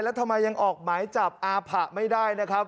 แล้วทำไมยังออกหมายจับอาผะไม่ได้นะครับ